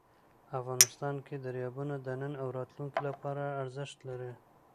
افغانستان کې دریابونه د نن او راتلونکي لپاره ارزښت لري.